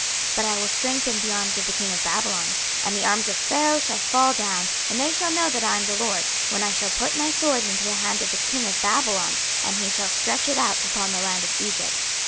26:030:025 But I will strengthen the arms of the king of Babylon, and the arms of Pharaoh shall fall down; and they shall know that I am the LORD, when I shall put my sword into the hand of the king of Babylon, and he shall stretch it out upon the land of Egypt.